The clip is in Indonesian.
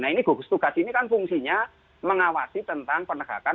nah ini gugus tugas ini kan fungsinya mengawasi tentang penegakan